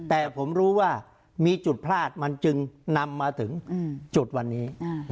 แต่ผมรู้ว่ามีจุดพลาดมันจึงนำมาถึงจุดวันนี้